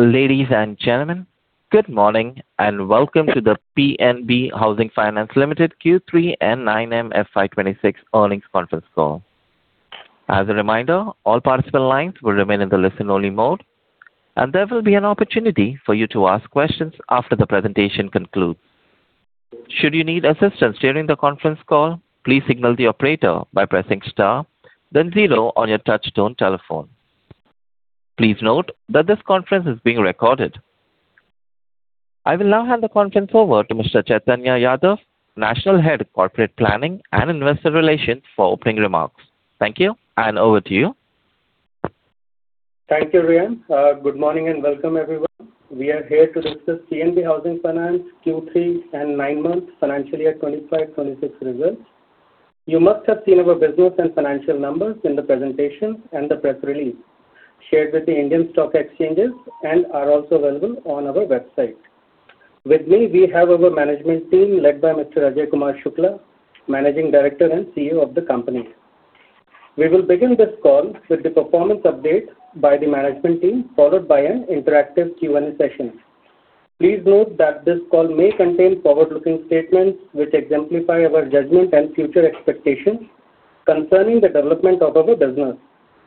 Ladies and gentlemen, good morning and welcome to the PNB Housing Finance Limited Q3 and 9M FY 2026 earnings conference call. As a reminder, all participant lines will remain in the listen-only mode and there will be an opportunity for you to ask questions after the presentation concludes. Should you need assistance during the conference call, please signal the operator by pressing Star then zero on your touch-tone telephone. Please note that this conference is being recorded. I will now hand the conference over to Mr. Chaitanya Yadav, National Head of Corporate Planning and Investor Relations for opening remarks. Thank you. And over to you. Thank you. Rhian. Good morning and welcome everyone. We are here to discuss PNB Housing Finance Q3 and 9-month FY 2026 results. You must have seen our business and financial numbers in the presentation and the press release shared with the Indian stock exchanges and are also available on our website. With me we have our management team led by Mr. Ajai Kumar Shukla, Managing Director and CEO of the company. We will begin this call with the performance update by the management team followed by an interactive Q&A session. Please note that this call may contain forward-looking statements which exemplify our judgment and future expectations concerning the development of our business.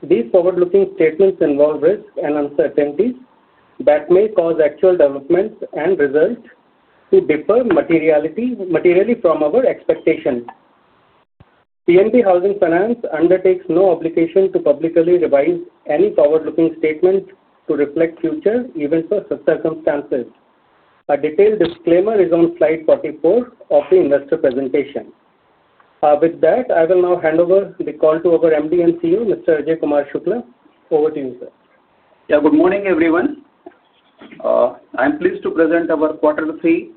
These forward-looking statements involve risks and uncertainties that may cause actual developments and results to differ materially from our expectations. PNB Housing Finance undertakes no obligation to publicly revise any forward-looking statement to reflect future events or circumstances. A detailed disclaimer is on slide 44 of the investor presentation. With that I will now hand over the call to our MD and CEO Mr. Ajai Kumar Shukla. Over to you, sir. Good morning, everyone. I am pleased to present our quarter three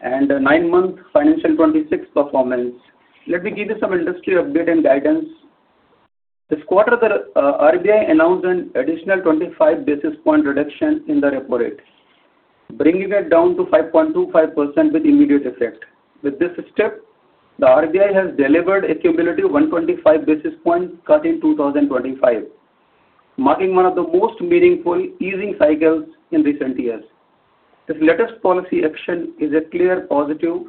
and nine-month financial FY 2026 performance. Let me give you some industry update and guidance. This quarter the RBI announced an additional 25 basis point reduction in the repo rate bringing it down to 5.25% with immediate effect. With this step, the RBI has delivered a cumulative 125 basis points cut in 2025 marking one of the most meaningful easing cycles in recent years. This latest policy action is a clear positive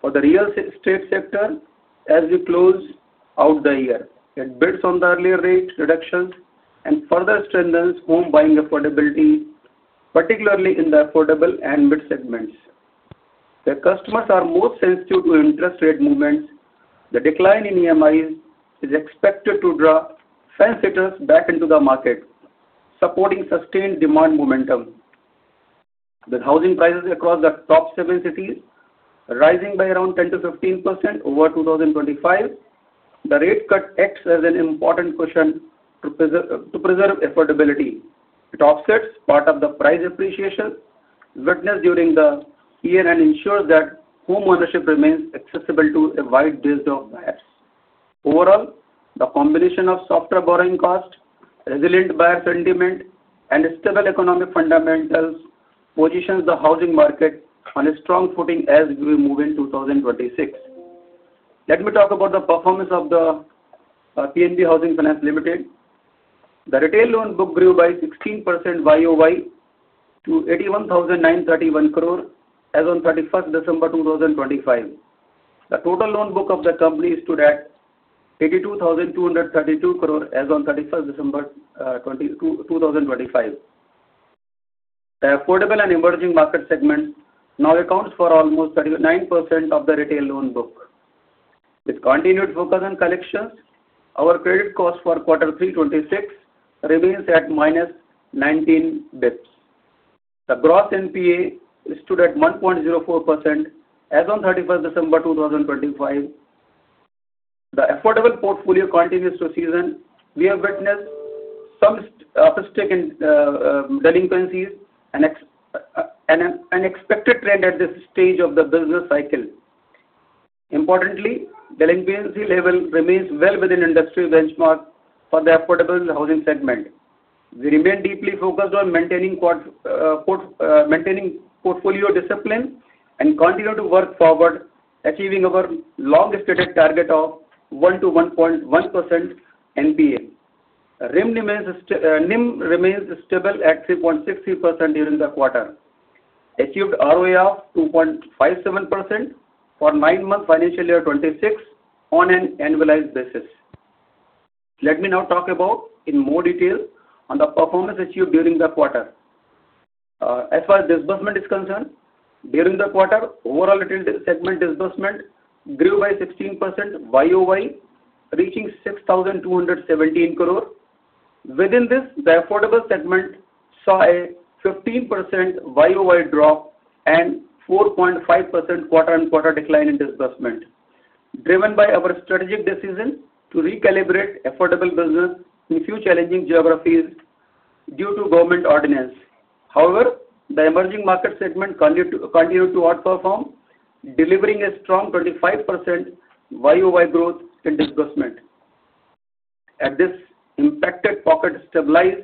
for the real estate sector as we close out the year. It builds on the earlier rate reductions and further strengthens home buying affordability particularly in the affordable and mid segments. The customers are more sensitive to interest rate movements. The decline in EMIs is expected to draw first-time buyers back into the market supporting sustained demand momentum. With housing prices across the top seven cities rising by around 10%-15% over 2025, the rate cut acts as an important catalyst to preserve affordability. It offsets part of the price appreciation witnessed during the year and ensures that home ownership remains accessible to a wide base of buyers. Overall, the combination of softer borrowing cost, resilient buyer sentiment and stable economic fundamentals positions the housing market on a strong footing as we move into 2026. Let me talk about the performance of the PNB Housing Finance Limited. The retail loan book grew by 16% YoY to 81,931 crore as on 31st December 2025. The total loan book of the company stood at 82,232 crore as on 31st December 2025. The affordable and emerging market segment now accounts for almost 39% of the retail loan book with continued focus on collections. Our credit cost for quarter three, 2026 remains at -19 basis points. The gross NPA stood at 1.04% as on 31st December 2025. The affordable portfolio continues to season. We have witnessed some upstream delinquencies and an expected trend at this stage of the business cycle. Importantly, the LGD level remains well within industry benchmark for the affordable housing segment. We remain deeply focused on maintaining portfolio discipline and continue to work towards achieving our long-stated target of 1%-1.1% NPA. NIM remains stable at 3.63% during the quarter. We achieved ROA of 2.57% for nine months financial year 2026 on an annualized basis. Let me now talk about it in more detail on the performance achieved during the quarter as far as disbursement is concerned. During the quarter, overall retail segment disbursement grew by 16% YoY, reaching 6,217 crore. Within this, the affordable segment saw a 15% YoY drop and 4.5% quarter on quarter decline in disbursement driven by our strategic decision to recalibrate affordable business in few challenging geographies due to government ordinance. However, the emerging market segment continued to outperform, delivering a strong 25% YoY growth in disbursement as these impacted pockets stabilize.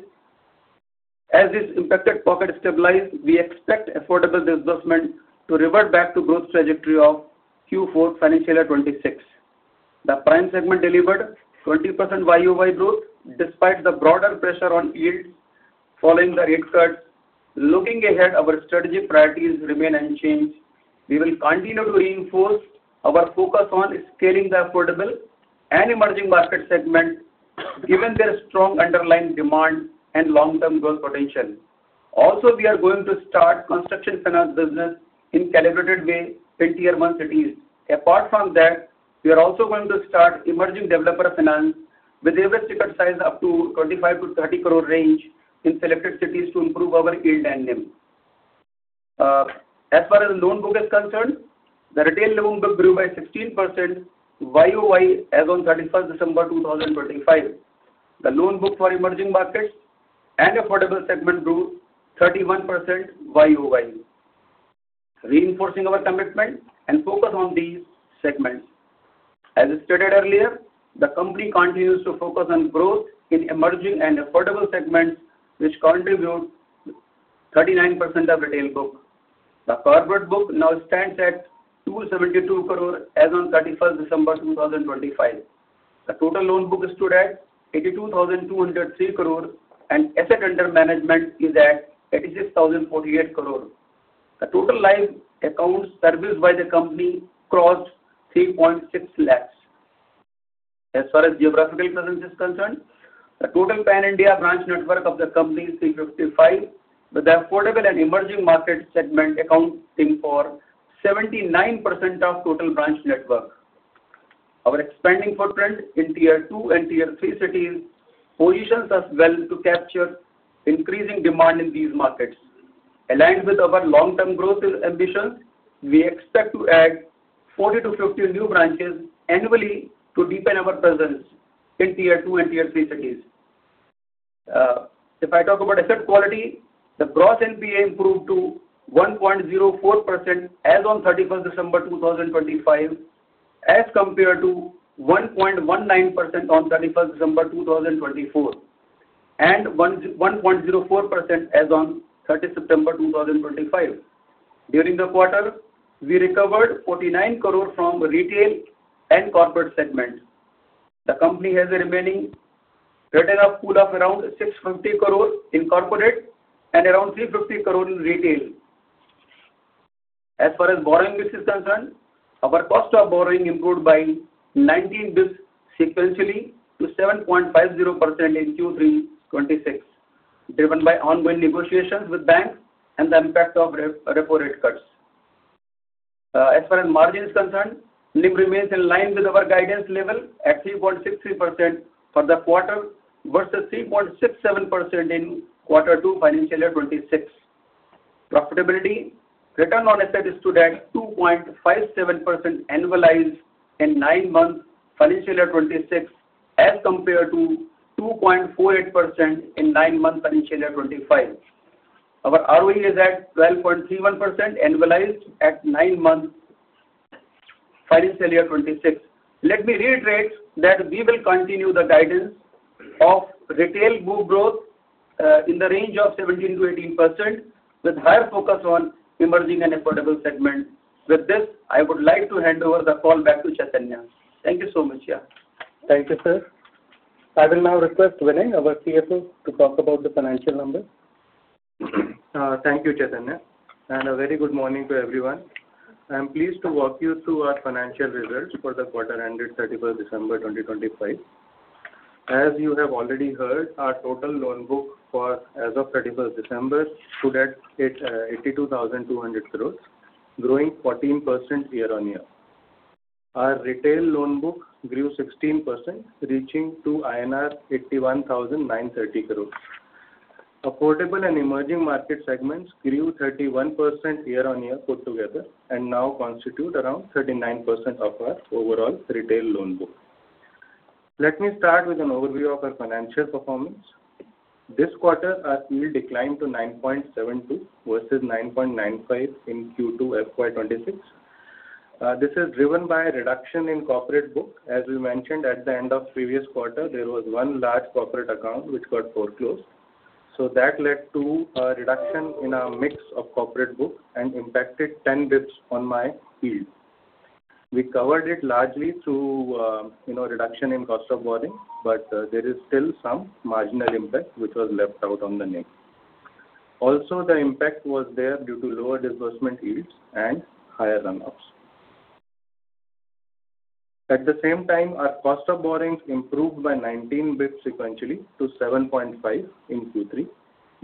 As these impacted pockets stabilize, we expect affordable disbursement to revert back to growth trajectory of Q4 financial year 2026. The Prime segment delivered 20% YoY growth despite the broader pressure on yields following the rate cuts. Looking ahead, our strategic priorities remain unchanged. We will continue to reinforce our focus on scaling the affordable and emerging market segment given their strong underlying demand and long-term growth potential. Also, we are going to start construction finance business in a calibrated way over 20-24 months at least. Apart from that, we are also going to start emerging developer finance with average ticket size up to 25 crore-30 crore range in selected cities to improve our yield and NIM. As far as loan book is concerned, the retail loan book grew by 16% YoY as on 31 December 2025. The loan book for emerging markets and affordable segment grew 31% YoY reinforcing our commitment and focus on these segments. As stated earlier, the company continues to focus on growth in emerging and affordable segments which contribute 39% of retail book. The corporate book now stands at 272 crore as on 31st December 2025. The total loan book stood at 82,203 crore and assets under management is at 86,048 crore. The total live accounts serviced by the company crossed 3.6 lakhs. As far as geographical presence is concerned, the total pan-India branch network of the company is 355 with the affordable and emerging market segment accounting for 79% of total branch network. Our expanding footprint in Tier 2 and Tier 3 cities positions us well to capture increasing demand in these markets. Aligned with our long-term growth ambitions. We expect to add 40 to 50 new branches annually to deepen our presence in Tier 2 and Tier 3 cities. If I talk about asset quality, the gross NPA improved to 1.04% as on 31st December 2025 as compared to 1.19% on 31st December 2024 and 1.04% as on 30th September 2025. During the quarter we recovered 49 crore from retail and corporate segment. The company has a remaining write-off pool of around 650 crore corporate and around 350 crore in retail. As far as borrowing cost is concerned, our cost of borrowing improved by 19 basis points sequentially to 7.50% in Q3 2026 driven by ongoing negotiations with banks and the impact of repo rate cuts. As far as margin is concerned, NIM remains in line with our guidance level at 3.63% for the quarter versus 3.67% in quarter two financial year 2026. Profitability return on asset stood at 2.57% annualized in nine months financial year 2026 as compared to 2.48% in nine-month financial year 2025. Our ROE is at 12.31% annualized at nine months financial year 2026. Let me reiterate that we will continue the guidance of retail loan growth in the range of 17%-18% with higher focus on emerging and affordable segment. With this I would like to hand over the call back to Chaitanya. Thank you so much. Yeah, thank you sir. I will now request Vinay, our CFO, to talk about the financial numbers. Thank you, Chaitanya, and a very good morning to everyone. I am pleased to walk you through our financial results for the quarter ended 31st December 2025. As you have already heard, our total loan book as of 31st December stood at 82,200 crore, growing 14% year-on-year. Our retail loan book grew 16%, reaching to INR 81,930 crore. Affordable and emerging market segments grew 31% year-on-year put together and now constitute around 39% of our overall retail loan book. Let me start with an overview of our financial performance this quarter. Our yield declined to 9.72 versus 9.95 in Q2FY 2026. This is driven by a reduction in corporate book. As we mentioned at the end of previous quarter, there was one large corporate account which got foreclosed. So that led to a reduction in our mix of corporate book and impacted 10 basis points on my yield. We covered it largely through reduction in cost of borrowing but there is still some marginal impact which was left out on the NIM. Also the impact was there due to lower disbursement yields and higher runoffs. At the same time our cost of borrowings improved by 19 basis points sequentially to 7.5% in Q3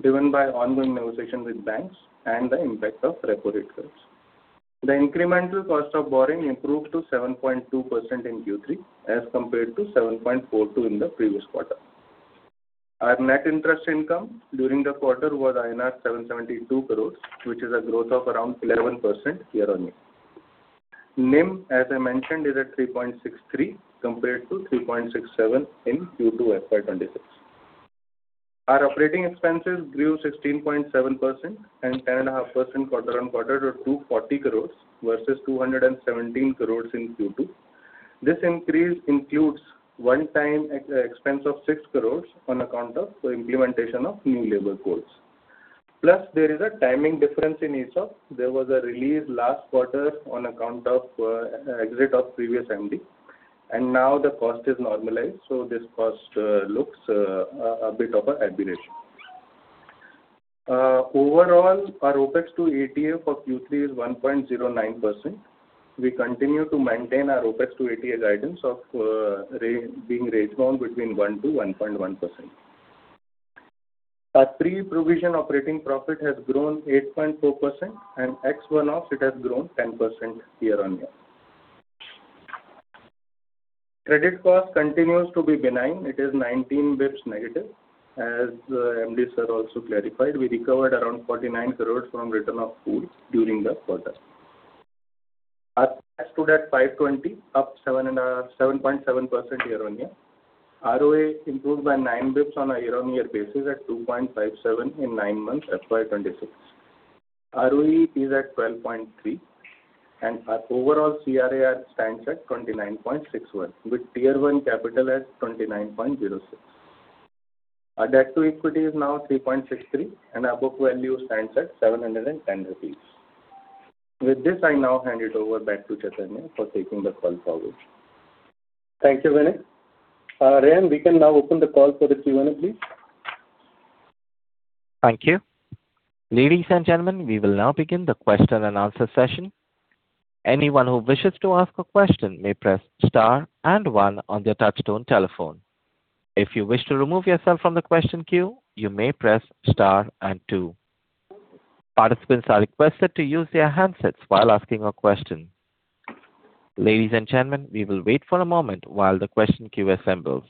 driven by ongoing negotiation with banks and the impact of repo rate cuts. The incremental cost of borrowing improved to 7.2% in Q3 as compared to 7.42% in the previous quarter. Our net interest income during the quarter was INR 772 crores which is a growth of around 11% year-on-year. NIM as I mentioned is at 3.63% compared to 3.67% in Q2 FY 2026. Our operating expenses grew 16.7% and 10.5% quarter on quarter to 240 crores versus 217 crores in Q2. This increase includes one-time expense of 6 crore on account of implementation of new labor codes. Plus there is a timing difference in ESOP. There was a release last quarter on account of exit of previous MD and now the cost is normalized so this cost looks a bit of an aberration. Overall, our OpEx to ATA for Q3 is 1.09%. We continue to maintain our OpEx to ATA guidance of being range bound between 1 to 1.1%. Our pre provision operating profit has grown 8.4% and ex one-offs it has grown 10% year-on-year. Credit cost continues to be benign. It is 19 basis points negative. As MD sir also clarified. We recovered around 49 crore from write-off pool during the quarter. Stood at 520 up 7.7% year-on-year. ROA improved by 9 basis points on a year-on-year basis at 2.57% in 9 months. FY 2026 ROE is at 12.3%. Our overall CRAR stands at 29.61% with Tier 1 capital at 29.06%. Our debt-to-equity is now 3.63. Our book value stands at 719 rupees. With this, I now hand it over back to Chaitanya for taking the call forward. Thank you. Vinay. Rhian. We can now open the call for the Q&A please. Thank you. Ladies and gentlemen, we will now begin the question-and-answer session. Anyone who wishes to ask a question may press star and one on their touch-tone telephone. If you wish to remove yourself from the question queue, you may press star and two. Participants are requested to use their handsets while asking a question. Ladies and gentlemen, we will wait for a moment while the question queue assembles.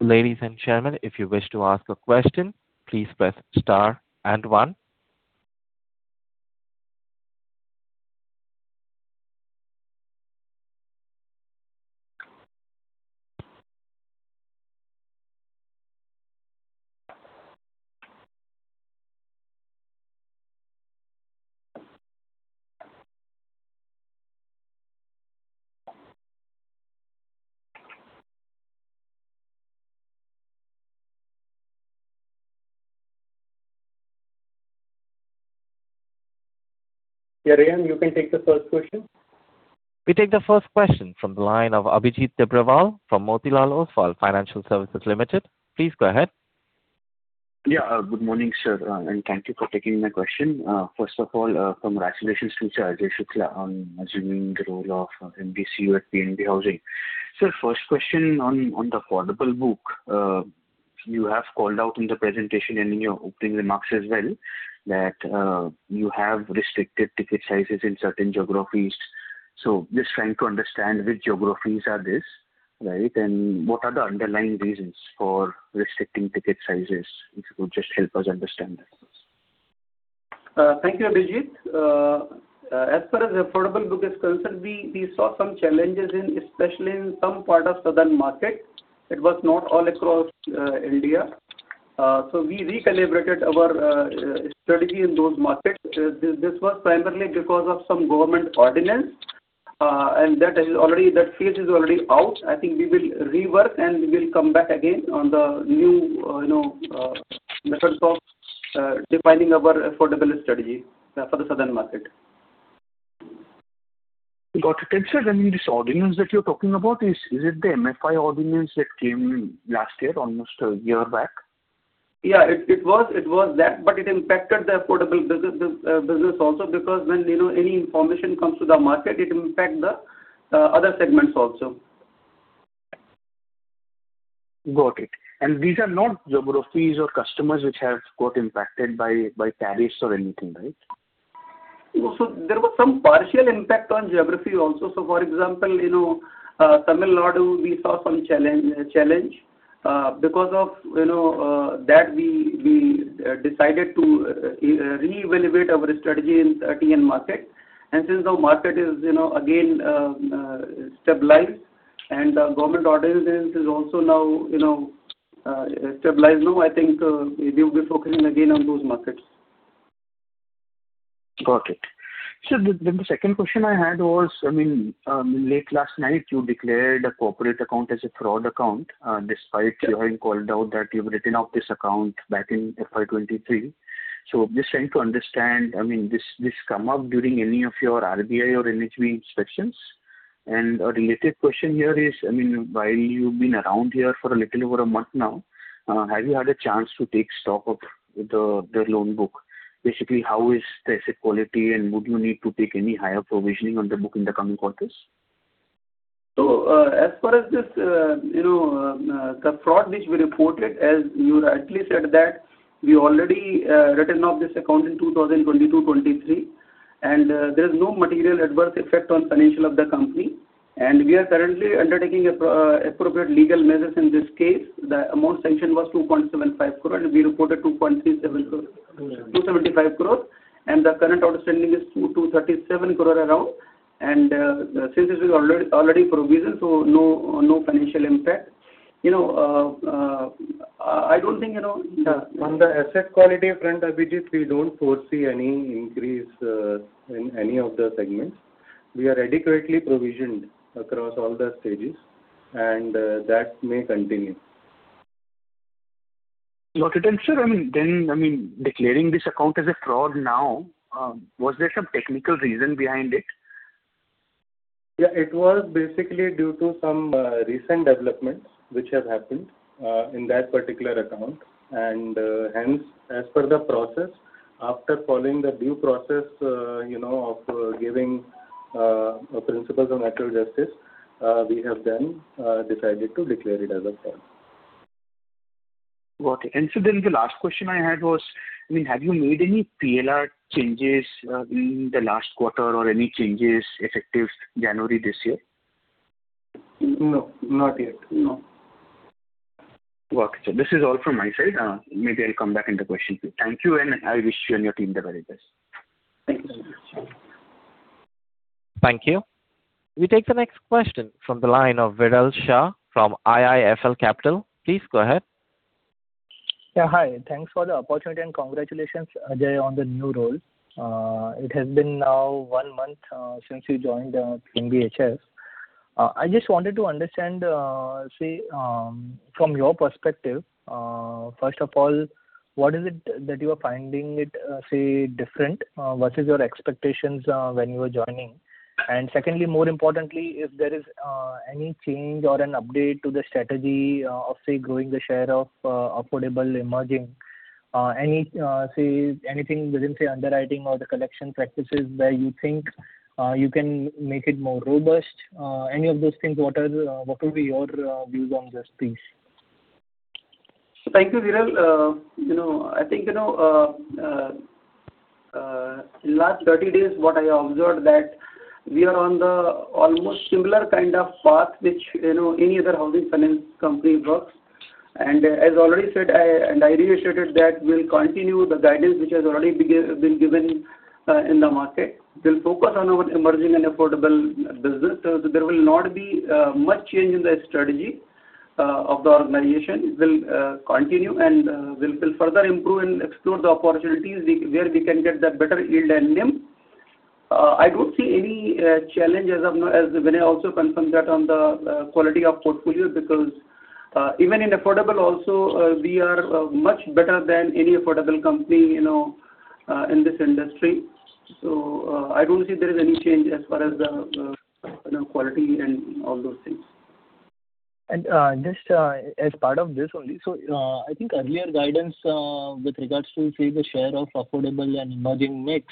Ladies and gentlemen, if you wish to ask a question, please press star and one. You can take the first question. We take the first question from the line of Abhijit Tibrewal from Motilal Oswal Financial Services Limited. Please go ahead. Yeah. Good morning, sir and thank you for taking my question. First of all, congratulations to Ajai Shukla on assuming the role of MD and CEO at PNB Housing. Sir, first question on the affordable book. You have called out in the presentation and in your opening remarks as well that you have restricted ticket sizes in certain geographies. So just trying to understand which geographies are this right? And what are the underlying reasons for restricting ticket sizes. If you could just help us understand that. Thank you, Abhijit. As far as affordable book is concerned, we saw some challenges in especially in some part of southern market. It was not all across India. So we recalibrated our strategy in those markets. This was primarily because of some government ordinance, and that is already. That phase is already out. I think we will rework, and we will come back again on the new methods of defining our affordable strategy for the southern market. I mean, this ordinance that you're talking about is. Is it the MFI ordinance? That came last year, almost a year back. Yeah, it was, it was that. But it impacted the affordable business also. Because when you know any information comes to the market, it impact the other segments also. Got it. And these are not geographies or customers which have got impacted by tariffs or anything. Right. So there was some partial impact on geography also. So for example you know Tamil Nadu, we saw some challenge. Challenge because of, you know that we decided to reevaluate our strategy in Tamil Nadu market. And since the market is you know again stabilized and government ordinance is also now, you know stabilized now I think we will be focusing again on those markets. Got it. So the second question I had was, I mean late last night you declared a corporate account as a fraud account despite you having called out that you've written off this account back in FY 2023. So just trying to understand, I mean this come up during any of your RBI or NHB inspections. A related question here is, I mean while you've been around here for a little over a month now, have you had a chance to take stock of the loan book? Basically, how is the asset quality and would you need to take any higher provisioning on the book in the coming quarters? As far as this, you know, the fraud which we reported, as you rightly said, we already written off this account in 2022-2023. There is no material adverse effect on financial of the company. We are currently undertaking appropriate legal measures in this case. The amount sanctioned was 2.75 crore. We reported 2.75 crore. The current outstanding is around INR 2.37 crore. Since it was already provisioned so no financial impact, you know. I don't think, you know, on the asset quality front, Abhijit, we don't foresee any increase in any of the segments. We are adequately provisioned across all the stages and that may continue. I mean then, I mean declaring this account as a fraud. Now was there some technical reason behind it? Yeah, it was basically due to some recent developments which have happened in that particular account. And hence as per the process, after following the due process, you know of giving principles of natural justice we have then decided to declare it as a fraud. Okay. And so then the last question I had was, I mean have you made any PLR changes in the last quarter or any changes effective January this year? No, not yet. No. So this is all from my side. Maybe I'll come back in the question. Thank you. And I wish you and your team the very best. Thank you. We take the next question from the line of Viral Shah from IIFL Capital. Please go ahead. Hi. Thanks for the opportunity and congratulations Ajai, on the new role. It has been now one month since you joined PNBHF. I just wanted to understand see from your perspective, first of all what is it that you are finding it say different versus your expectations when you are joining. And secondly, more importantly, if there is any change or an update to the strategy of say growing the share of affordable emerging. Any see anything within the underwriting or the collection practices where you think you can make it more robust, any of those things. What will be your views on this piece? Thank you. Viral. You know, I think you know, last 30 days what I observed that we are on the almost similar kind of path which you know, any other housing finance company works. And as already said and I reassured that we'll continue the guidance which has already been given in the market. We'll focus on our emerging and affordable business. So there will not be much change in the strength strategy of the organization will continue and will further improve and explore the opportunities where we can get that better yield. And NIM, I don't see any challenges as when I also confirmed that on the quality of portfolio because even in affordable also we are much better than any affordable company, you know, in this industry. So I don't see there is any change as far as quality and all those things and just as part of this only. So I think earlier guidance with regards to say the share of affordable and emerging mix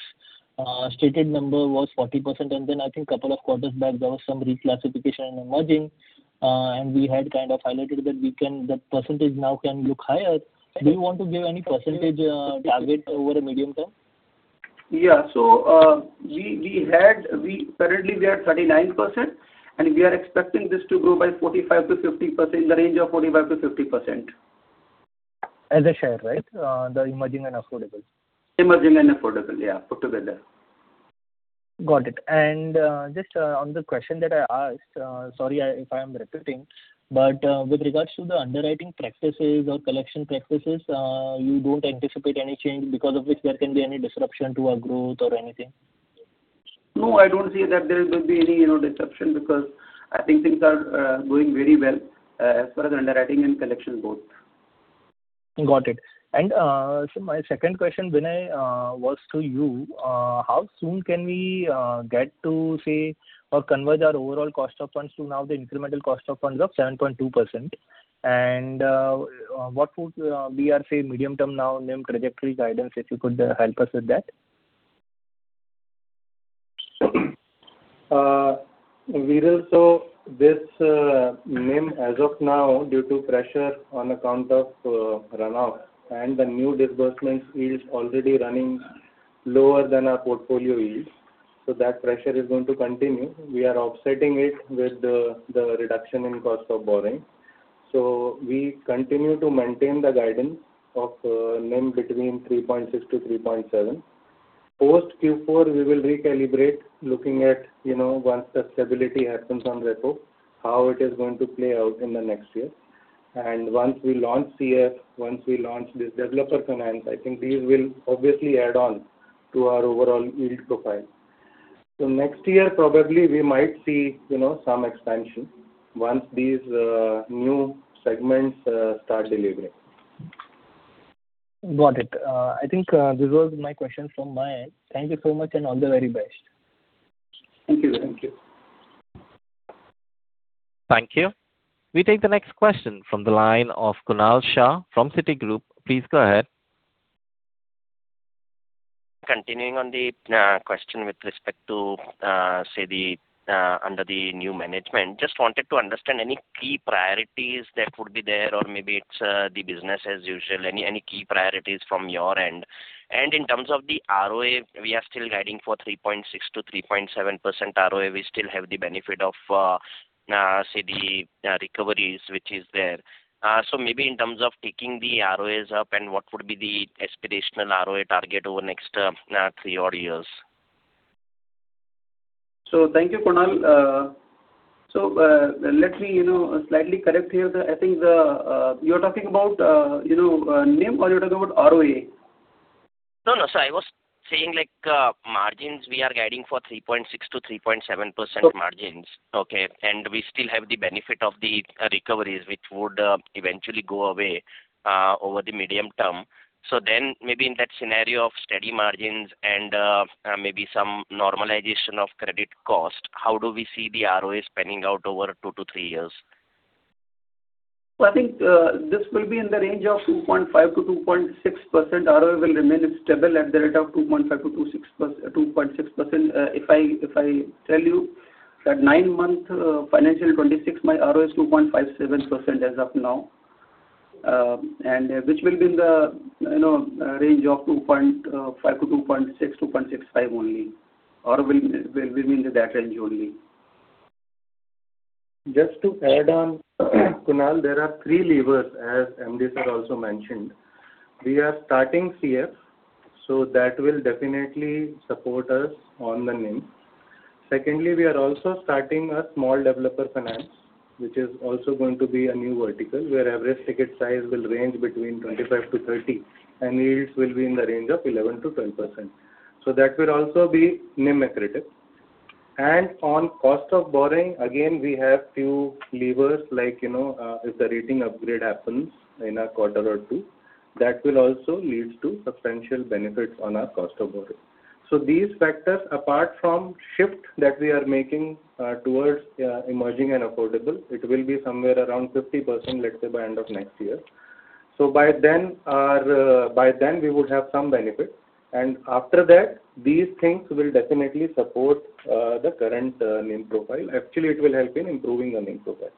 stated number was 40% and then I think couple of quarters back there was some reclassification emerging and we had kind of highlighted that we can the percentage now can look higher. Do you want to give any percentage target over a medium term? Yeah. So we had, we currently we are 39% and we are expecting this to grow by 45%-50% in the range of 45%-50% as a share. Right. The emerging and affordable. Emerging and affordable. Yeah, put together. Got it. And just on the question that I asked, sorry if I am repeating but with regards to the underwriting practices or collection practices, you don't anticipate any change because of which there can be any disruption to our growth or anything. No, I don't see that there will be any, you know, deception because I think things are going very well as far as underwriting and collection both. Got it, and my second question, Vinay, was to you: how soon can we get to see or converge our overall cost of funds to, now, the incremental cost of funds of 7.2%, and what would be our, say, medium-term NIM trajectory guidance? If you could help us with that. So this NIM, as of now, due to pressure on account of runoff and the new disbursements, yields already running lower than our portfolio yields. So that pressure is going to continue. We are offsetting it with the reduction in cost of borrowing. So we continue to maintain the guidance of NIM between 3.6-3.7. Post Q4 we will recalibrate looking at, you know, once the stability happens on repo, how it is going to play out in the next year and once we launch CF, once we launch this developer finance, I think these will obviously add on to our overall yield profile. So next year probably we might see, you know, some expansion once these new segments start delivering. Got it. I think this was my question from my end. Thank you so much and all the very best. Thank you. Thank you. We take the next question from the line of Kunal Shah from Citigroup. Please go ahead. Continuing on the question with respect to say the under the new management just wanted to understand any key priorities that would be there or maybe it's the business as usual. Any key priorities from your end. And in terms of the ROA, we are still guiding for 3.6%-3.7% ROA. We still have the benefit of CD recoveries which is there. So maybe in terms of taking the NIMs up and what would be the aspirational ROA target over next three odd years. So thank you Kunal. So let me, you know, slightly correct here. I think. You're talking about, you know, NIM or you're talking about ROA. No, no. So I was saying like margins, we are guiding for 3.6%-3.7% margins. Okay. And we still have the benefit of the recoveries which would eventually go away over the medium term. So then maybe in that scenario of steady margins and maybe some normalization of credit cost, how do we see the ROAs panning out over two to three years? I think this will be in the range of 2.5%-2.6%. ROE will remain stable at the rate of 2.5%-2.6%. If I tell you that 9-month financials FY 2026 our ROA 2.57% as of now and which will be in the range of 2.5%-2.6%, 2.65% only or will be in that range only. Just to add on, Kunal, there are three levers as MD sir also mentioned. We are starting CF so that will definitely support us on the NIM. Secondly, we are also starting a small developer finance which is also going to be a new vertical where every ticket size will range between 25-30 and yields will be in the range of 11%-12%. So that will also be NIM accretive. And on cost of borrowing again we have few levers like you know, if the rating upgrade happens in a quarter or two that will also lead to substantial benefits on our cost of borrowing. So these factors apart from shift that we are making towards emerging and affordable, it will be somewhere around 50% let's say by end of next year. So by then we would have some benefit. And after that these things will definitely support the current NIM profile. Actually it will help in improving the NIM profile.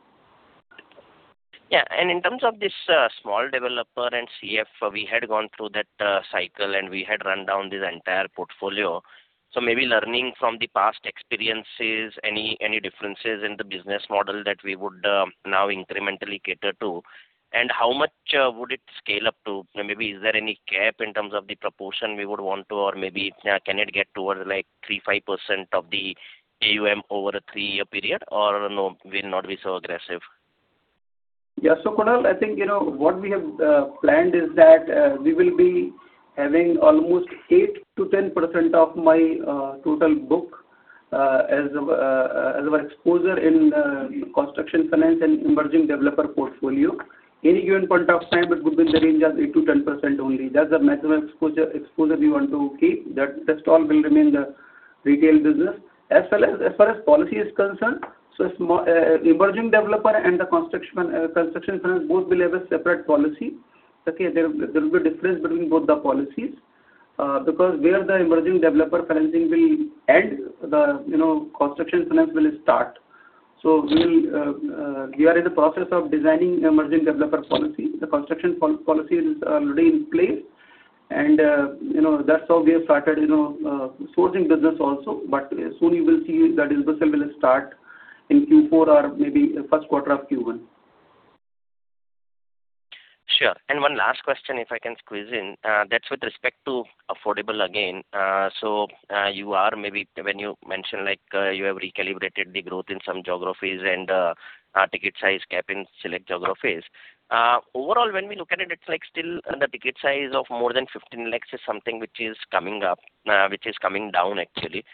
Yeah. In terms of this small developer and CF, we had gone through that cycle and we had run down this entire portfolio. So maybe learning from the past experiences, any differences in the business model that we would now incrementally cater to and how much would it scale up to? Maybe is there any cap in terms of the proportion we would want to or maybe can it get towards like 3%-5% of the AUM over a 3-year period or no, we'll not be so aggressive. Yeah. So Kunal, I think you know what we have planned is that we will be having almost 8%-10% of my total book as our exposure in construction finance and emerging developer portfolio. Any given point of time it would be in the range of 8%-10% only. That's the maximum exposure. Exposure we want to keep. That call will remain the retail business as well as far as policy is concerned. So emerging developer and the construction both will have a separate policy. Okay. There will be difference between both the policies because where the emerging developer financing will end, the you know, construction finance will start. So we are in the process of designing emerging developer policy. The construction policy is already in place and you know that's how we have started, you know, sourcing business also. But soon you will see that in the cell will start in Q4 or maybe first quarter of Q1. Sure. One last question, if I can squeeze in that's with respect to affordable again. So you are maybe when you mentioned like you have recalibrated the growth in some geographies and ticket size cap in select geographies. Overall, when we look at it, it's like still the ticket size of more than 15 lakhs is something which is coming up, which is coming down actually.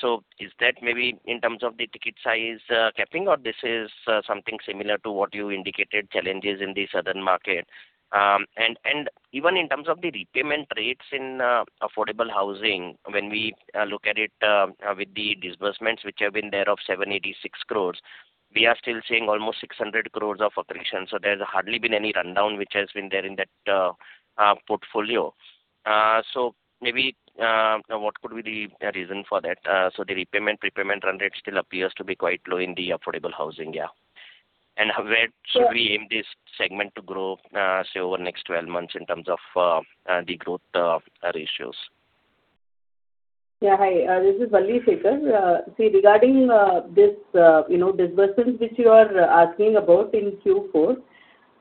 So is that maybe in terms of the ticket size capping or this is something similar to what you indicated, challenges in southern market? And even in terms of the repayment rates in affordable housing, when we look at it with the disbursements which have been there of 786 crores, we are still seeing almost 600 crores of operations. So there's hardly been any rundown which has been there in that portfolio. So maybe what could be the reason for that? So the repayment prepayment run rate still appears to be quite low in the affordable housing. Yeah. And where should we aim this segment to grow, say over next 12 months in terms of the growth ratios. Yeah, hi, this is Valli Sekar. See, regarding this, you know, disbursement which you are asking about in Q4,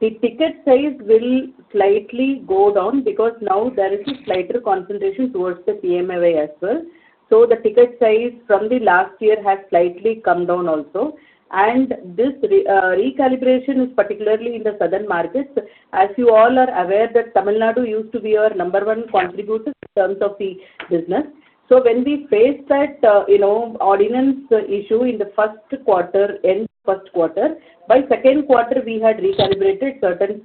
the ticket size will slightly go down because now there is a slighter concentration towards the PMAY as well, so the ticket size from the last year has slightly come down also, and this recalibration is particularly in the southern markets, as you all are aware that Tamil Nadu used to be our number one contributor in terms of the business, so when we faced that, you know, ordinance issue in the first quarter end, by second quarter we had recalibrated certain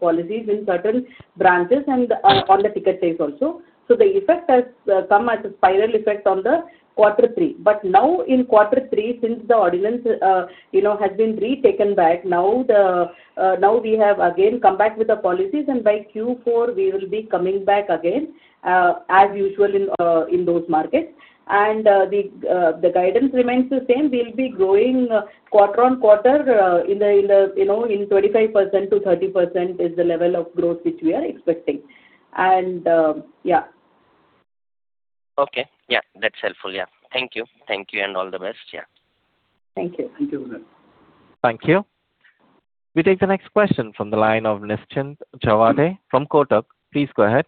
policies in certain branches and on the ticket sizes also, so the effect has come as a spiral effect on the quarter three. But now in quarter three since the ordinance, you know, has been retaken back now the now we have again come back with the policies and by Q4 we will be coming back again as usual in, in those markets. And the, the guidance remains the same. We'll be growing quarter on quarter in the, in the, you know, in 25%-30% is the level of growth which we are expecting and yeah. Okay. Yeah, that's helpful. Yeah, thank you. Thank you. And all the best. Yeah. Thank you. Thank you. Thank you. We take the next question from the line of Nischint Chawathe from Kotak. Please go ahead.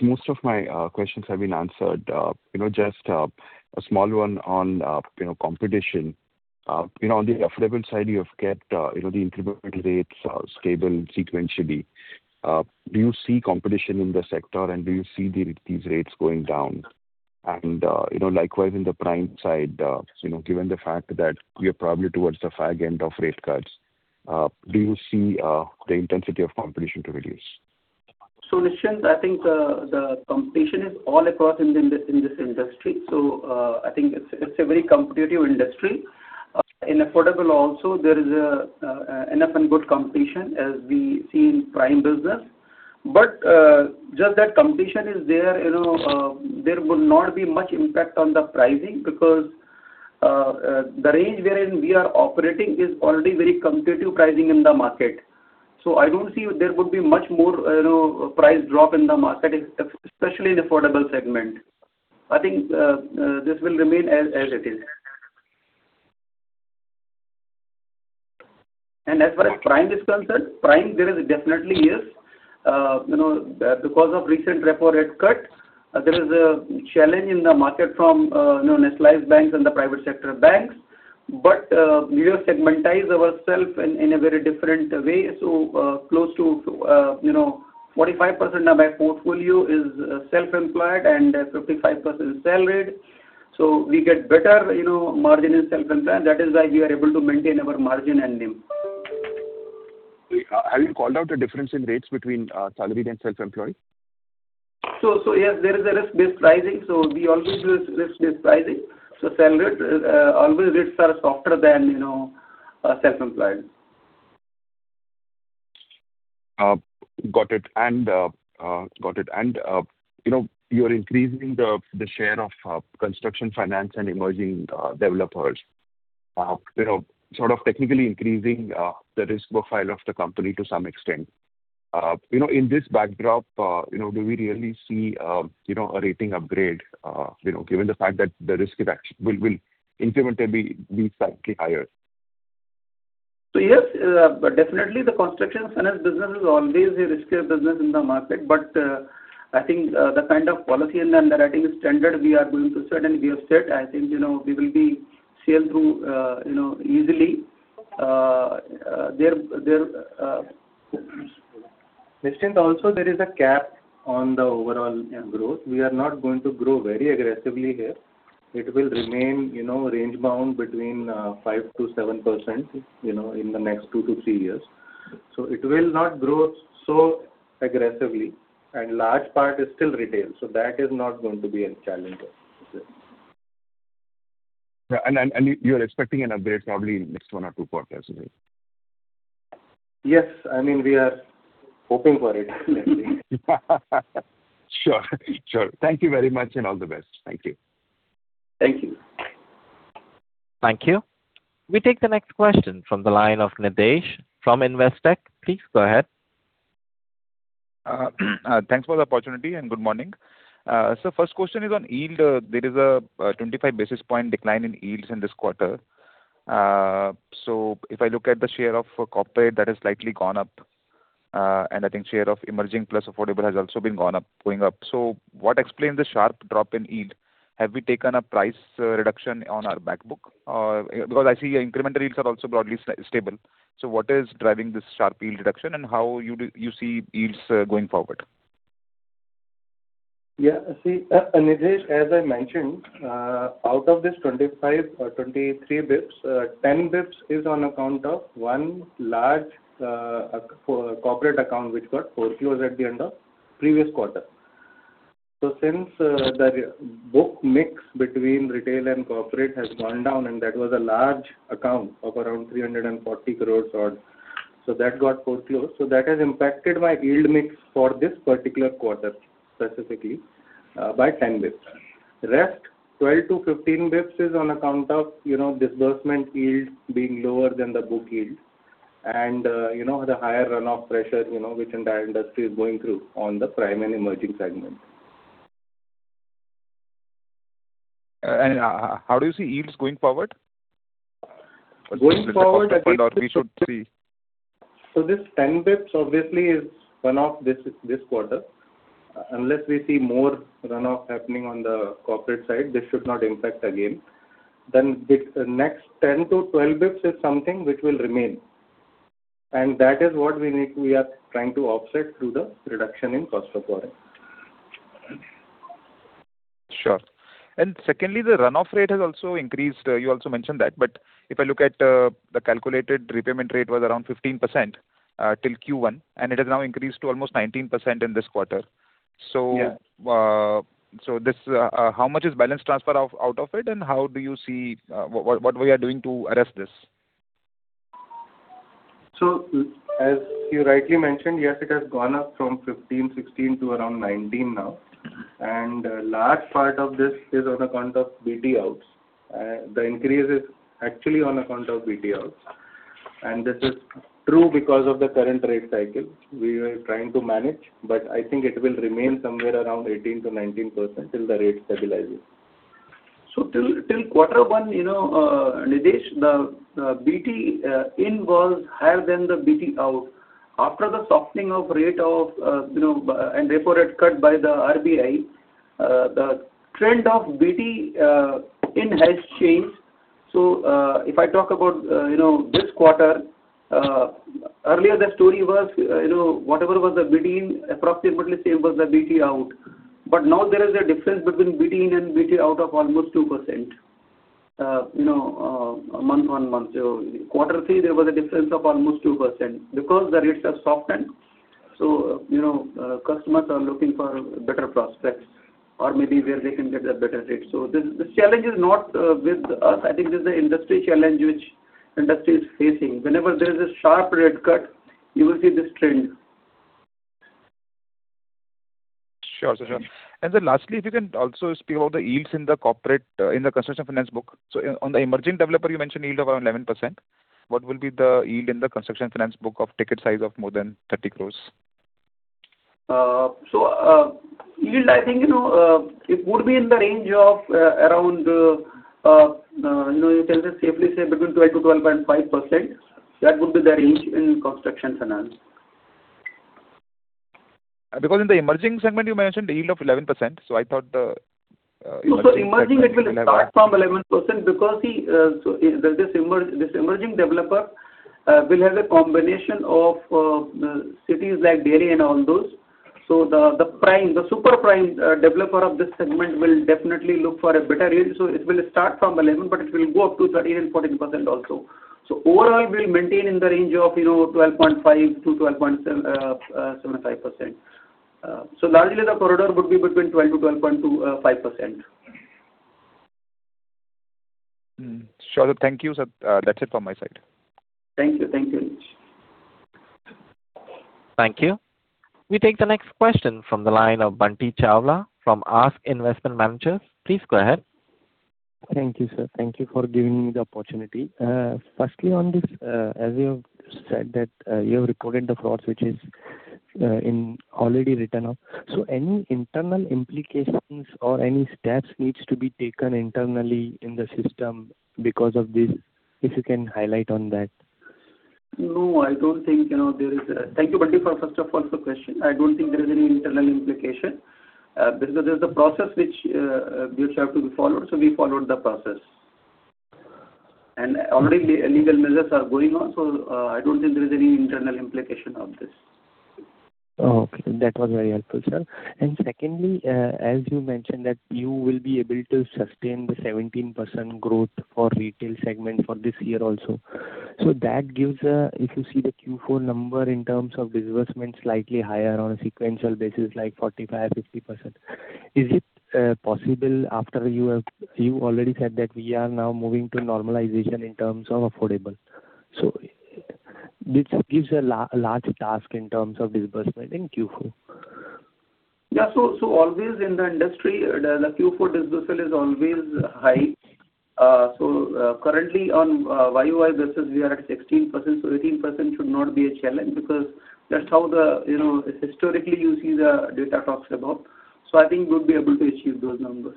Most of my questions have been answered, you know, just a small one on, you know, competition, you know, on the affordable side, you have kept, you know, the incremental rates are stable sequentially. Do you see competition in the sector and do you see these rates going down? And likewise in the Prime side, given the fact that we are probably towards the fag end of rate cuts, do you see the intensity of competition to reduce? So, Nischint, I think the competition is all across in this industry. So I think it's a very competitive industry. In affordable also there is enough and good competition as we see in Prime business. But just that competition is there. There would not be much impact on the pricing because the range wherein we are operating is already very competitive pricing in the market. So I don't see there would be much more price drop in the market, especially in affordable segment. I think this will remain as it is. And as far as Prime is concerned, Prime there is definitely. Yes, you know, because of recent repo rate cut, there is a challenge in the market from nationalized banks and the private sector banks. But we will segment ourselves in a very different way. So close to, you know, 45% of our portfolio is self-employed and 55% salaried. So we get better, you know, margin in self-employed. That is why we are able to maintain our margin and NIM. Have you called out a difference in rates between salaried and self-employed? So, so yes, there is a risk-based pricing. So we always use pricing. So salaried rates are always softer than, you know, self-employed. Got it and got it. And you know, you're increasing the share of construction finance and emerging developers, sort of technically increasing the risk profile of the company to some extent. You know, in this backdrop, you know, do we really see, you know, a rating upgrade, you know, given the fact that the risk will incrementally be slightly higher? So yes, definitely the construction finance business is always a riskier business in the market. But I think the kind of policy and underwriting standard we are going to set and we have said, I think, you know, we will sail through, you know, easily. Also there is a cap on the overall growth. We are not going to grow very aggressively here. It will remain, you know, range bound between 5%-7%, you know, in the next two to three years. So it will not grow so aggressively and large part is still retained. So that is not going to be a challenge, and you are expecting an upgrade probably in next one or two quarters. Yes, I mean we are hoping for it. Sure, sure. Thank you very much and all the best. Thank you. Thank you. Thank you. We take the next question from the line of Nitesh from Investec. Please go ahead. Thanks for the opportunity and good morning. So first question is on yield. There is a 25 basis points decline in yields in this quarter. So if I look at the share of corporate that has slightly gone up and I think share of emerging plus affordable has also been gone up, going up. So what explains the sharp drop in yield? Have we taken a price reduction on our back book? Because I see incremental yields are also broadly stable. So what is driving this sharp yield reduction and how you see yields going forward? Yeah, see Nitesh, as I mentioned out of this 25 or 23 basis points. 10 basis points is on account of one large corporate account which got foreclosed at the end of previous quarter. So since the book mix between retail and corporate has gone down and that was a large account of around 340 crore or so that got foreclosed. So that has impacted my yield mix for this particular quarter specifically by 10 basis points. The rest 12 to 15 basis points is on account of, you know, disbursement yield being lower than the book yield and you know, the higher runoff pressure, you know which entire industry is going through on the Prime and Emerging segment. And how do you see yields going forward? Going forward we should see. So this 10 basis points obviously is one-off for this quarter. Unless we see more runoff happening on the corporate side, this should not impact again. Then the next 10-12 basis points is something which will remain and that is what we need. We are trying to offset through the reduction in cost of borrowing. Sure. And secondly, the runoff rate has also increased. You also mentioned that. But if I look at the calculated repayment rate was around 15% till Q1 and it has now increased to almost 19% in this quarter. So this how much is balance transfer out of it and how do you see what we are doing to arrest this? So as you rightly mentioned, yes, it has gone up from 15-16 to around 19 now. And large part of this is on account of BT outs. The increase is actually on account of BT outs. And this is true because of the current rate cycle we are trying to manage. But I think it will remain somewhere around 18%-19% till the rate stabilizes. So till quarter one. You know, Nitesh, the BT in was higher than the BT out. After the softening of rates, you know, and repo rate cut by the RBI, the trend of BT in has changed. So if I talk about, you know, this quarter earlier the story was, you know, whatever was the BT in approximately same was the BT out. But now there is a difference between BT in and BT out of almost 2%, you know, month on month. So quarter three there was a difference of almost 2% because the rates are softened. So you know, customers are looking for better prospects or maybe where they can get a better rate. So this challenge is not with us. I think this is the industry challenge which the industry is facing. Whenever there is a sharp rate cut, you will see this trend. Sure. And then lastly if you can also speak about the yields in the corporate. In the construction finance book. So on the emerging developer you mentioned yield of around 11%. What will be the yield in the construction finance book of ticket size of more than 30 crores. So yield I think you know it would be in the range of around, you know you can safely say between 12%-12.5%. That would be the range in construction finance because in the Emerging segment you mentioned the yield of 11%. So I thought the emerging it will start from 11% because he. So this emerging developer will have a combination of cities like Delhi and all those. So the Prime, the super Prime developer of this segment will definitely look for a better range. So it will start from 11% but it will go up to 13% and 14% also. So overall we'll maintain in the range of you know 12.5%-12.75%. So largely the corridor would be between 12%-12.25%. Sure. Thank you sir. That's it from my side. Thank you. Thank you. Thank you. We take the next question from the line of Bunty Chawla from ASK Investment Managers. Please go ahead. Thank you sir. Thank you for giving me the opportunity. Firstly on this as you said that you recorded the fraud switches in already written up. So any internal implications or any steps needs to be taken internally in the system because of this. If you can highlight on that. No, I don't think so. Thank you for the question first of all. I don't think there is any internal implication because there's the process which have to be followed. So we followed the process and already the legal measures are going on. So I don't think there is any internal implication of this. Okay. That was very helpful, sir. And secondly, as you mentioned that you will be able to sustain the 17% growth for retail segment for this year also. So that gives, if you see the Q4 number in terms of disbursement, slightly higher on a sequential basis like 45-50%. Is it possible after you have already said that we are now moving to normalization in terms of affordable. So this gives a large task in terms of disbursement in Q4. Yeah. So, so always in the industry the Q4 disbursement is always high. So currently on YoY basis we are at 16%. So 18% should not be a challenge because that's how the you know historically you see the data talks about. So I think we'll be able to achieve those numbers.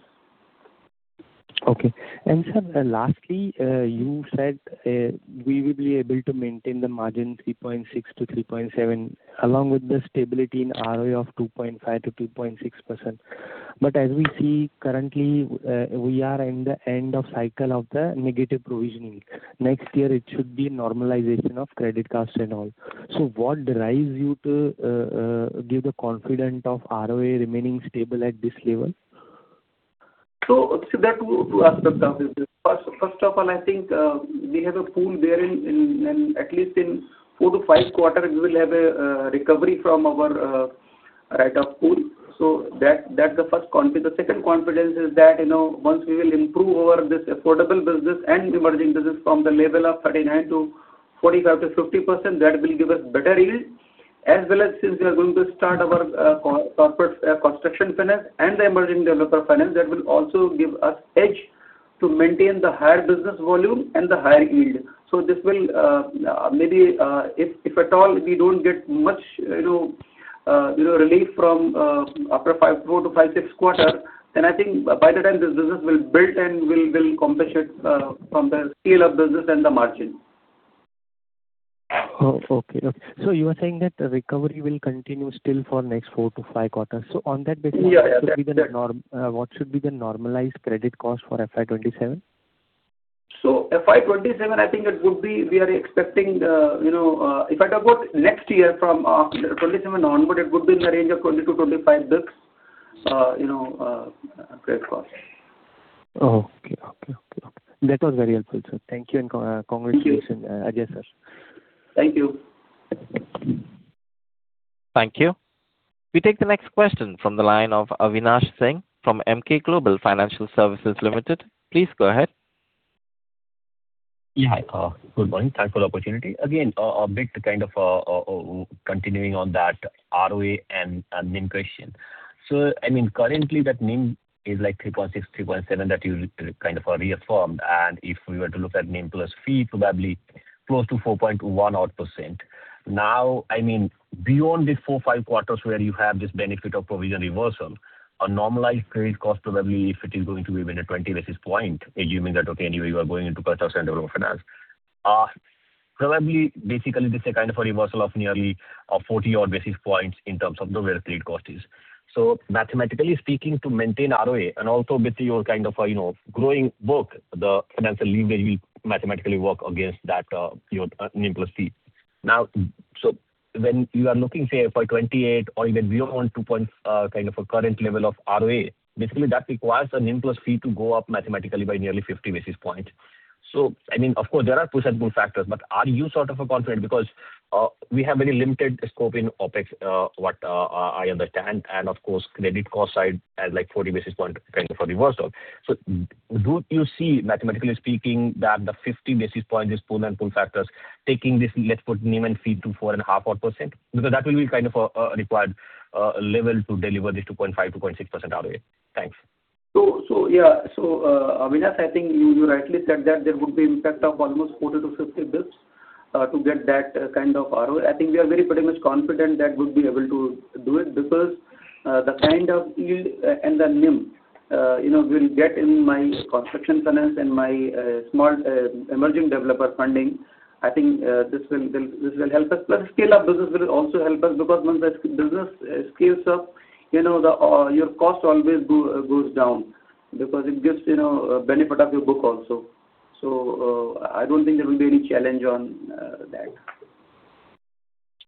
Okay. And lastly you said we will be able to maintain the margin 3.6%-3.7% along with the stability in ROE of 2.5%-2.6%. But as we see currently we are in the end of cycle of the negative provision next year it should be normalization of credit costs and all. So what drives you to give the confidence of ROA remaining stable at this level? So there are two aspects of this. First of all, I think we have a pool there. In at least 4 to 5 quarters, we will have a recovery from our write-off pool. So that's the first confidence. The second confidence is that, I know, once we will improve over this affordable business and emerging business from the level of 39% to 45% to 50%, that will give us better yield as well as since we are going to start our corporate construction finance and the emerging developer finance, that will also give us edge to maintain the higher business volume and the higher yield. So this will maybe if at all we don't get much, you know, relief from Q4 to Q6 quarter then I think by the time this business will build and will compensate from the scale of business and the margin. Okay, so you are saying that the recovery will continue still for next four to five quarters. So on that basis what should be the normalized credit cost for FY27? So FY 2027 I think it would be. We are expecting, you know if I talk about next year from 27 onboarded. Good. The range of 20-25 basis points. That was very helpful. So thank you and congratulations. Thank you. Thank you. We take the next question from the line of Avinash Singh from Emkay Global Financial Services Ltd. Please go ahead. Yeah, good morning. Thanks for the opportunity again a bit kind of continuing on that ROA and NIM question. So I mean currently that NIM is like 3.6-3.7 that you kind of reaffirmed. And if we were to look at NIM plus fee probably close to 4.1 odd % now. I mean beyond the 45 quarters where you have this benefit of provision reversal, a normalized credit cost probably if it is going to be within a 20 basis point assuming that, okay, anyway you are going into per thousand probably basically this is a kind of a reversal of nearly 40 odd basis points in terms of the where credit cost is so mathematically speaking to maintain ROA and also with your kind of, you know, growing book the financial leverage will mathematically work against that, your NIM we'll see now. So when you are looking say for 2.8 or even beyond two point kind of a current level of ROA. Basically that requires a NIM plus fee to go up mathematically by nearly 50 basis points. So, I mean, of course there are push and pull factors, but are you sort of confident because we have very limited scope in OpEx, what I understand, and of course credit cost side at like 40 basis points for reversal. So, do you see, mathematically speaking, that the 50 basis points is push and pull factors. Taking this, let's put NIM and fee to four and a half odd % because that will be kind of a required level to deliver this 2.5%-2.6% ROA. Thanks. So, yeah, so I think you rightly said that there would be impact of almost 40 to 50 basis points to get that kind of ROA. I think we are very pretty much confident that would be able to do it because the kind of yield and the NIM you know we'll get in my construction finance and my small emerging developer funding I think this will. This will help us but scale up business will also help us because when the business scales up you know the your cost always goes down because it gives you know benefit of your book also. So I don't think there will be any challenge on that.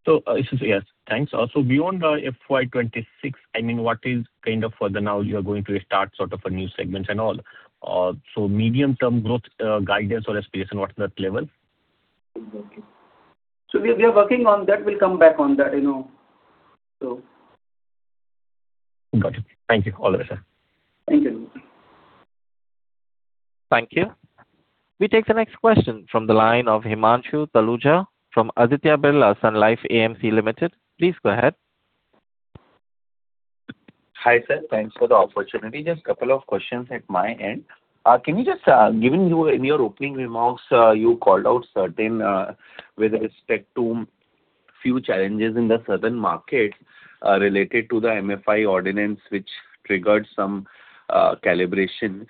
So yes thanks. Also beyond FY 2026 I mean what is kind of for the now you are going to start sort of a new segment and all so medium term growth guidance or aspiration. What's that level? So we are working on that. We'll come back on that. Got it, thank you, all the best sir. Thank you. We take the next question from the line of Himanshu Taluja from Aditya Birla Sun Life AMC Ltd. Please go ahead. Hi, sir. Thanks for the opportunity. Just a couple of questions at my end. Can you just, given that you in your opening remarks you called out certain with respect to a few challenges in the southern market related to the MFI ordinance which triggered some calibration.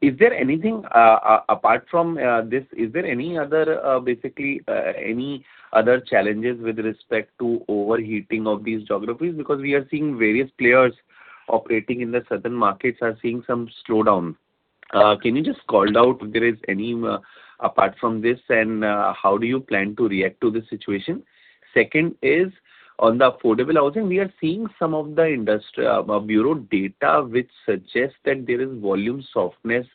Is there anything apart from this? Is there any other, basically any other challenges with respect to overheating of these geographies because we are seeing various players operating in the southern markets are seeing some slowdown. Can you just call out, is there any apart from this and how do you plan to react to this situation? Second is on the affordable housing. We are seeing some of the industry bureau data which suggests that there is volume softness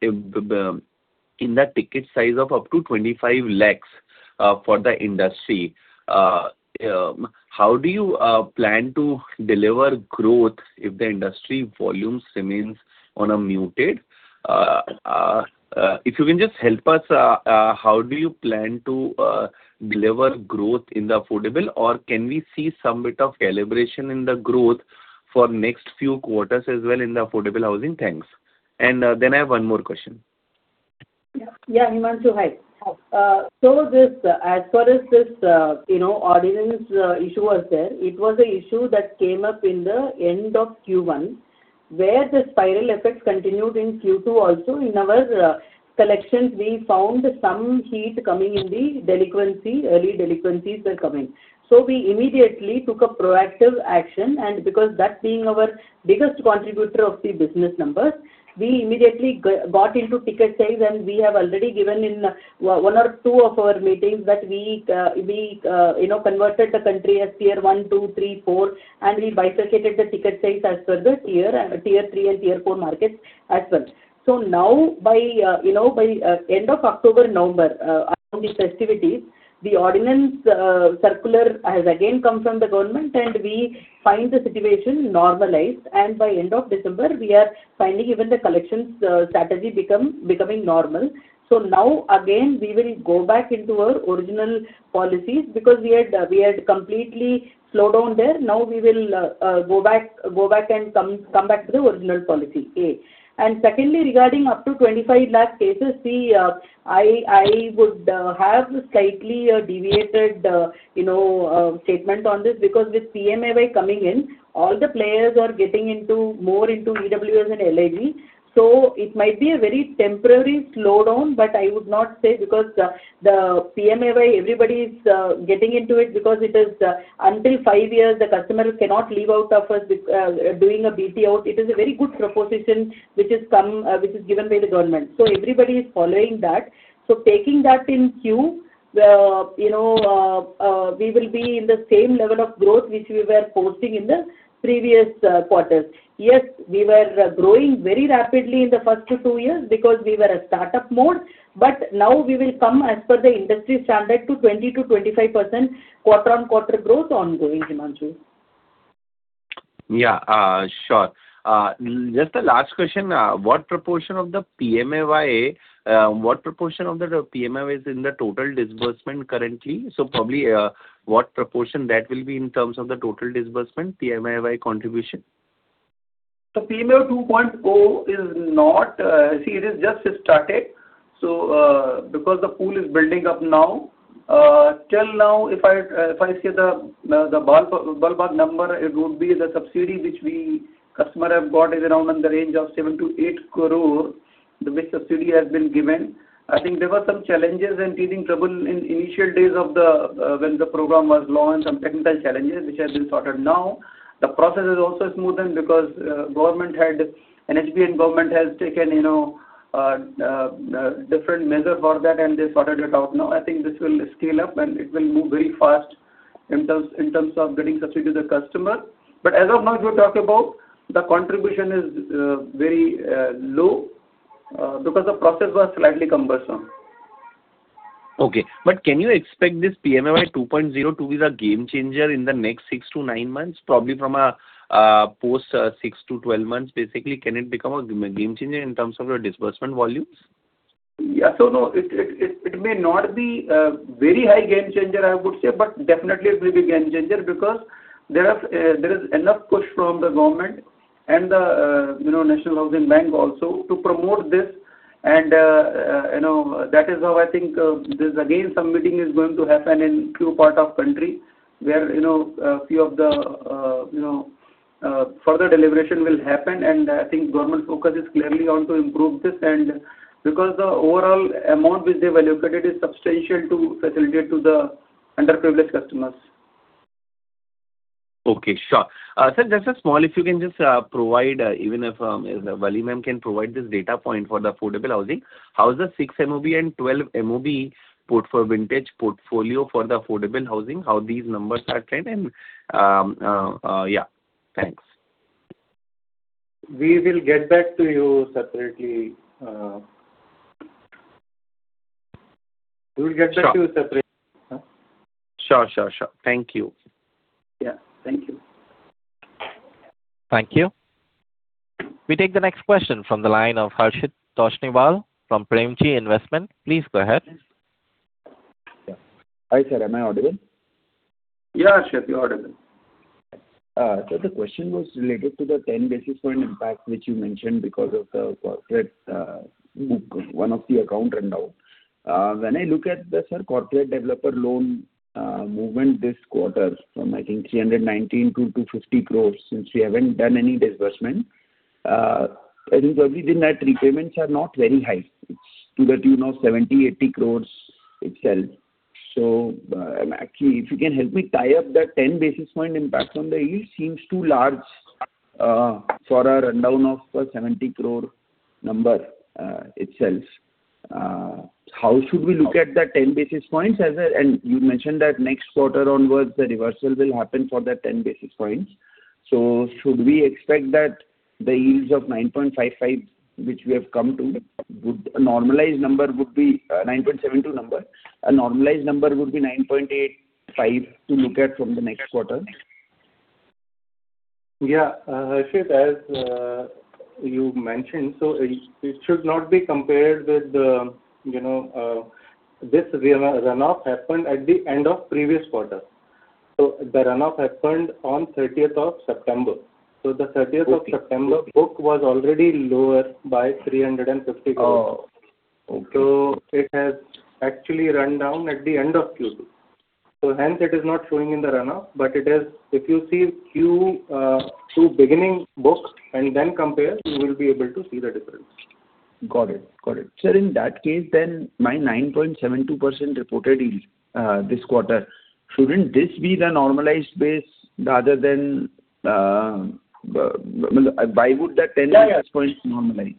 in the ticket size of up to 25 lakhs for the industry. How do you plan to deliver growth if the industry volumes remains on a muted? If you can just help us how do you plan to deliver growth in the affordable or can we see some bit of calibration in the growth for next few quarters as well in the affordable housing? Thanks. And then I have one more question. Yeah, Himanshu. Hi. So as far as this MFI ordinance issue was there, it was an issue that came up in the end of Q1 where the spiral effects continued in Q2. Also in our collections we found some heat coming in the delinquency. Early delinquencies were coming. So we immediately took a proactive action. And because that being our biggest contributor of the business numbers, we immediately got into ticket sizes and we have already given in one or two of our meetings that we, you know, converted the country as Tier 1, 2, 3, 4 and we bifurcated the ticket size as per the Tier 3 and Tier 4 markets as well. So now by, you know, by end of October-November festivities the ordinance circular has again come from the government and we find the situation normalized. And by end of December we are finding even the collections strategy becoming normal. So now again we will go back into our original policies because we had completely slowed down there. Now we will go back and come back to the original policy. And secondly, regarding up to 25 lakh cases, see, I would have slightly deviated, you know, statement on this because with PMA coming in all the players are getting into more into EWS and LIG. So it might be a very temporary slowdown. But I would not say because the PMAY everybody is getting into it because it is until five years the customer cannot leave out of us doing a BTO. It is a very good proposition which has come which is given by the government. So everybody is following that. So taking that in queue, you know, we will be in the same level of growth which we were posting in the previous quarters. Yes, we were growing very rapidly in the first two years because we were a startup mode. But now we will come as per the industry standard to 20%-25% quarter on quarter growth ongoing. Himanshu? Yeah, sure. Just the last question. What proportion of the PMAY? What proportion of the PMAY is in the total disbursement currently? So probably what proportion that will be in terms of the total disbursement PMAY contribution. The PMAY 2.0 is not. See, it is just started. So because the pool is building up now. Till now if I see the ballpark number it would be the subsidy which our customers have got is around in the range of 7-8 crore the which subsidy has been given. I think there were some challenges and teething trouble in initial days of the when the program was launched. Some technical challenges which have been sorted. Now the process is also smoothened because government had NHB in. Government has taken, you know, different measure for that and they sorted it out. Now I think this will scale up and it will move very fast in terms of getting subsidy to the customer, but as of now you talked about the contribution is very low because the process was slightly cumbersome. Okay, but can you expect this PMAY 2.0 to be the game changer in the next six to nine months? Probably from a post six to 12 months basically. Can it become a game changer in terms of your disbursement volumes? Yeah, so no it may not be very high game changer I would say but definitely it will be game changer because there is enough push from the government and the National Housing Bank also to promote this. And you know that is how I think this again some meeting is going to happen in few parts of the country where you know few of the you know further deliberation will happen and I think government focus is clearly on to improve this and because the overall amount which they value credit is substantial to facilitate to the underprivileged customers. Okay, sure. Just a small. If you can just provide. Even if Valli can provide this data point for the affordable housing. How's the 6 MOB and 12 MOB for vintage portfolio for the affordable housing. How these numbers are trend and yeah thanks. We will get back to you separately. Sure, sure. Sure. Thank you. Yeah, thank you. Thank you. We take the next question from the line of Harshit Toshniwal from Premji Invest. Please go ahead. Hi sir. Am I audible? Yeah, yes, you're audible. The question was related to the 10 basis point impact which you mentioned because of the corporate one-off account rundown. When I look at our corporate developer loan movement this quarter from, I think, 319 crore to 250 crore. Since we haven't done any disbursement, I think probably the net repayments are not very high to the tune of 70-80 crore itself. So actually if you can help me tie up that 10 basis point impact on the yield, it seems too large for our rundown of 70 crore number itself. How should we look at that 10 basis points and you mentioned that next quarter onwards the reversal will happen for that 10 basis points. So should we expect that the yields of 9.55% which we have come to normalized number would be 9.72%. A normalized number would be 9.85% to look at from the next quarter. Yeah, as you mentioned. So it should not be compared with the. You know, this runoff happened at the end of previous quarter. So the runoff happened on 30th of September. So the 30th of September book was already lower by 350. So it has changed actually run down at the end of Q2. So hence it is not showing in the runoff. But it is. If you see Q2 beginning book and then compare, you will be able to see the difference. Got it? Got it, sir. In that case then my 9.72% reported this quarter. Shouldn't this be the normalized base rather than? Why would that 10 points normalize?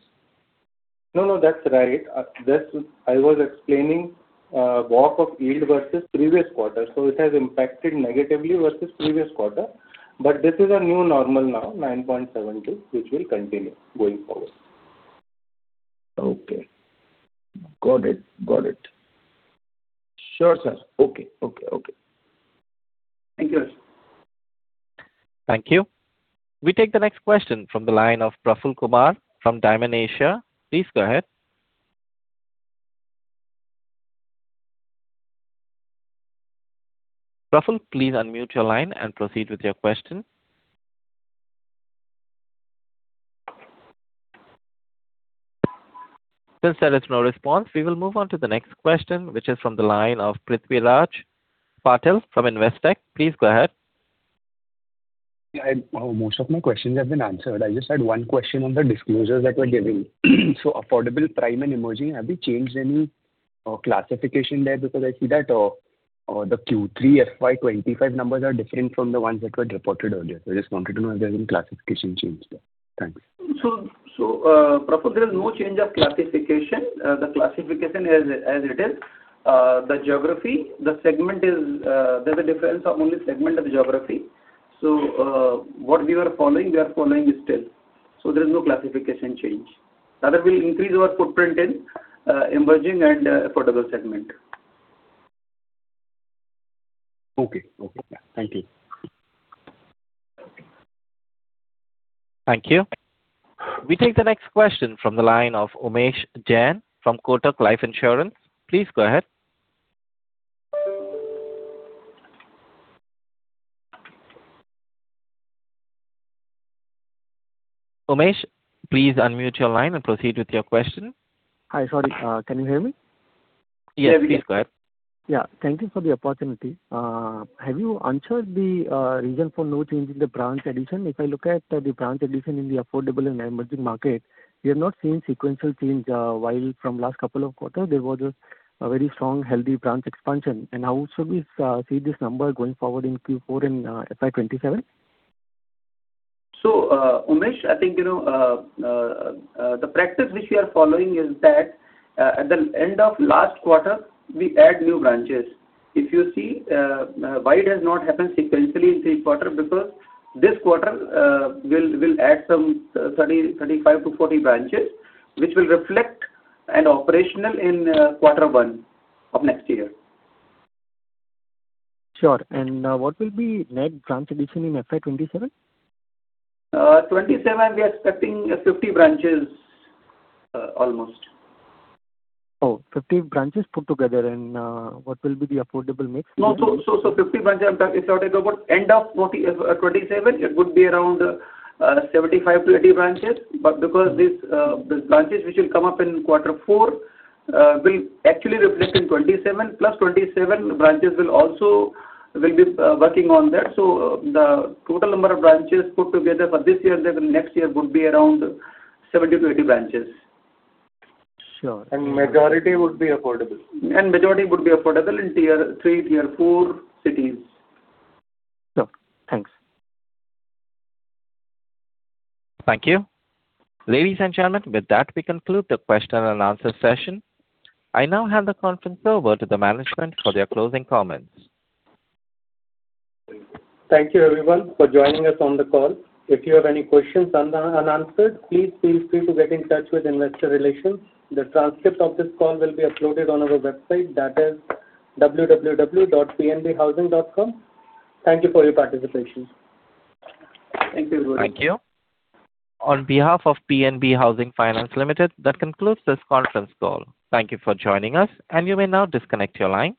No, no. That's right. This. I was explaining walk of yield versus previous quarter. So it has impacted negatively versus previous quarter. But this is a new normal now. 9.72% which will continue going forward. Okay. Got it. Got it. Sure, sir. Okay. Okay. Okay. Thank you. Thank you. We take the next question from the line of Praful Kumar from Dymon Asia Capital. Please go ahead. Praful, please unmute your line and proceed with your question. Since there is no response, we will move on to the next question which is from the line of Prithviraj Patil from Investec. Please go ahead. Most of my questions have been answered. I just had one question on the disclosures that were given. So Affordable, Prime and Emerging. Have we changed any classification there? Because I see that the Q3 FY 2025 numbers are different from the ones that were reported earlier. I just wanted to know if there's any classification change there. Thanks. So. So there is no change of classification. The classification as it is the geography, the segment is. There's a difference of only segment of geography. So what we were following, we are following still. So there is no classification change. Rather we'll increase our footprint in emerging and affordable segment. Okay. Thank you. Thank you. We take the next question from the line of Umesh Jain from Kotak Life Insurance. Please go ahead. Umesh, please unmute your line and proceed with your question. Hi. Sorry. Can you hear me? Yes. Please go ahead. Yeah, thank you for the opportunity. Have you answered the reason for no change in the branch addition? If I look at the branch addition in the affordable and emerging market, we have not seen sequential change. While from last couple of quarters there was a very strong healthy branch expansion. And how should we see this number going forward in Q4 in FY 2027? So Umesh, I think you know the practice which we are following is that at the end of last quarter we add new branches. If you see why it has not happened sequentially in three quarters. Because this quarter we'll add some 30, 35 to 40 branches which will reflect as operational in quarter one of next year. Sure. And what will be net branch addition in FY 2027? 2027? We are expecting 50 branches. Almost. 50 branches put together and what will be the affordable mix? So, 50 branches, if you are talking about end of 2027, it would be around 75, 20 branches. But because these branches which will come up in quarter four will actually replace in 2027 plus 2027 branches will also be working on that. So, the total number of branches put together for this year, next year, would be around 70 to 80 branches. Sure. And majority would be affordable. And majority would be affordable in tier three, tier four cities. Thanks. Thank you, ladies and gentlemen. With that, we conclude the question-and-answer session. I now hand the conference over to the management for their closing comments. Thank you, everyone, for joining us on the call. If you have any questions unanswered, please feel free to get in touch with Investor Relations. The transcript of this call will be uploaded on our website, www.pnbhousing.com. Thank you for your participation. Thank you on behalf of PNB Housing Finance Limited, that concludes this conference call. Thank you for joining us. And you may now disconnect your line.